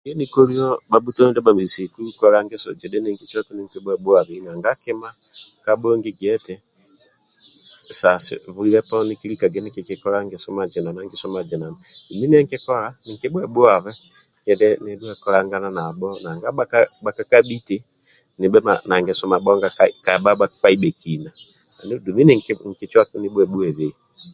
Ndie nikolio bhabhotuami ndia mesiku kola ngeso mazinana dumbi ninkibhubhuabei nanga kima kabhongi guabeti sa bwile poni kilikage nikikikola ngeso mazinana ngeso mazinana dumbi ndie nkikola ninkibhuebhuabei nidhuwe kolangana nabho nanga bhakakabhi eti nibhe na ngeso mabhonga ka bhakpa dumbi ninkibhuebhuabei